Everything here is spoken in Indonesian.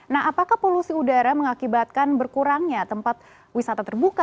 nah apakah polusi udara mengakibatkan berkurangnya tempat wisata terbuka